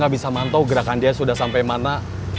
kalo nisa mantau gerakan dia udah sampe mana